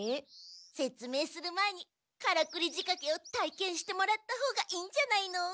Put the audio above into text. せつ明する前にカラクリじかけをたいけんしてもらったほうがいいんじゃないの？